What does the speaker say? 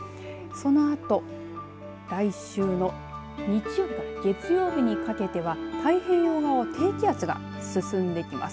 そのあと来週の日曜日から月曜日にかけては太平洋側は低気圧が進んできます。